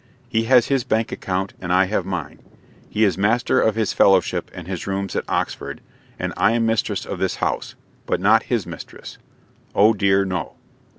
He has his bank account, and I have mine. He is master of his fellowship and his rooms at Oxford, and I am mistress of this house, but not his mistress! Oh, dear, no!"